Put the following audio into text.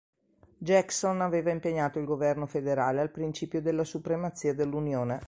Jackson aveva impegnato il governo federale al principio della supremazia dell'Unione.